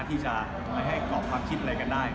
ความสามารถให้กรอกความคิดอะไรก็ได้